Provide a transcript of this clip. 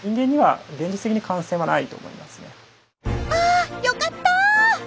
あよかった。